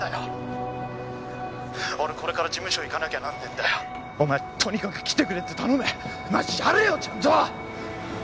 ☎俺これから事務所行かなきゃなんねえんだよお前とにかく来てくれって頼めマジやれよちゃんと！